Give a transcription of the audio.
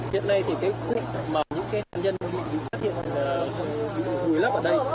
hiện nay thì cái khu vực mà những cái nạn nhân bị phát hiện là